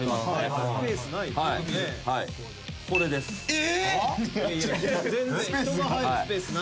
・え！？